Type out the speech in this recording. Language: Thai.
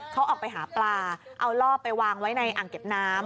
เขาออกไปหาปลาเอาล่อไปวางไว้ในอ่างเก็บน้ำ